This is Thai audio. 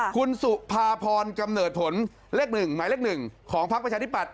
คุณสุภาพรกำเนิดผลหมายเลขหนึ่งของพลักษณ์ประชานิปัตธ์